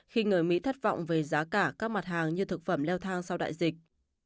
khi người mỹ thất vọng về giá cả các mặt hàng như thực phẩm leo thang sau đại dịch